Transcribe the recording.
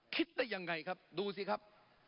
คิดได้ยังไงครับดูสิครับ